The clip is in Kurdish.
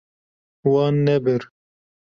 Wan nebir.